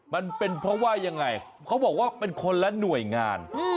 มันเป็นเพราะว่ายังไงเขาบอกว่าเป็นคนละหน่วยงาน